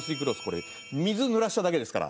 これ水で濡らしただけですから。